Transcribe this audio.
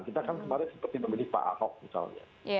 kita kan kemarin seperti memilih pak ahok misalnya